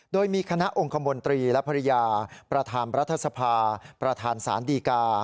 โดยมีคณะองค์คมนตรีและภรรยาประธานรัฐสภาประธานศาลดีกา